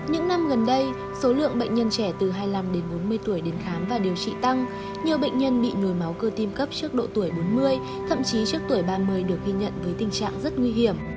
những năm gần đây số lượng bệnh nhân trẻ từ hai mươi năm đến bốn mươi tuổi đến khám và điều trị tăng nhiều bệnh nhân bị nhồi máu cơ tim cấp trước độ tuổi bốn mươi thậm chí trước tuổi ba mươi được ghi nhận với tình trạng rất nguy hiểm